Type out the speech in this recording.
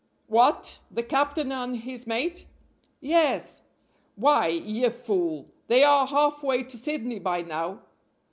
"What! the captain and his mate?" "Yes!" "Why, ye fool! they are half way to Sydney by now."